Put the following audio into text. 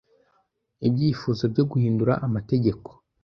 Ibyifuzo byo guhindura amategeko